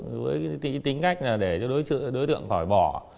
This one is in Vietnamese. với tính cách để đối tượng khỏi bỏ